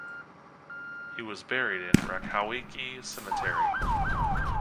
He was buried in Rakowicki Cemetery.